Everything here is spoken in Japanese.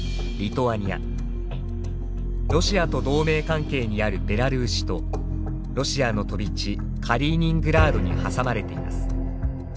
ロシアと同盟関係にあるベラルーシとロシアの飛び地カリーニングラードに挟まれています。